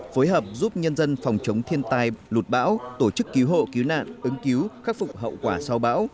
phối hợp giúp nhân dân phòng chống thiên tai lụt bão tổ chức cứu hộ cứu nạn ứng cứu khắc phục hậu quả sau bão